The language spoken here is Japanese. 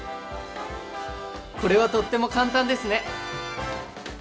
これはとっても簡単ですね！